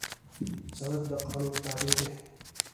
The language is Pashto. سړک د قانون تابع دی.